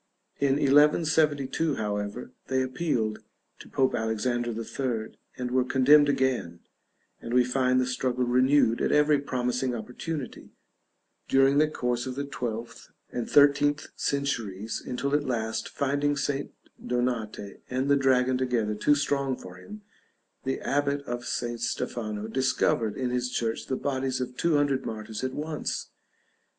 In 1172, however, they appealed to Pope Alexander III, and were condemned again: and we find the struggle renewed at every promising opportunity, during the course of the 12th and 13th centuries; until at last, finding St. Donate and the dragon together too strong for him, the abbot of St. Stefano "discovered" in his church the bodies of two hundred martyrs at once!